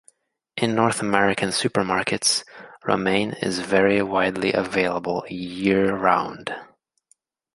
In North American supermarkets, romaine is very widely available year-round.